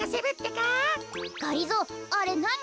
がりぞーあれなに？